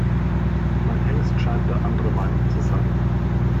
Mein Hengst scheint da anderer Meinung zu sein.